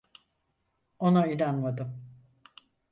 Ona inanmadım.